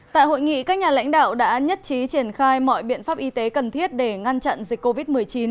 tại hội nghị các nhà lãnh đạo đã nhất trí triển khai mọi biện pháp y tế cần thiết để ngăn chặn dịch covid một mươi chín